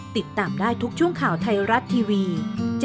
ติดตามได้ทุกช่วงข่าวไทยรัตน์ทีวี๗๑๐ธันวาคม